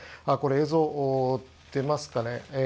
映像、出ますかね。